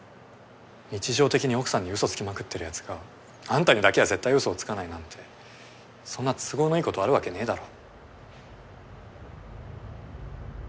日常的に奥さんにウソつきまくってるヤツがあんたにだけは絶対ウソをつかないなんてそんな都合のいいことあるわけねぇだろ